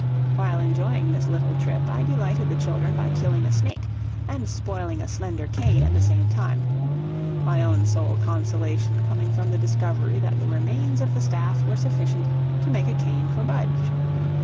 While enjoying this little trip I delighted the children by killing a snake and spoiling a slender cane at the same time, my own sole consolation coming from the discovery that the remains of the staff were sufficient to make a cane for Budge.